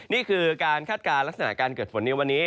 นี่คือการคาดการณ์ลักษณะการเกิดฝนในวันนี้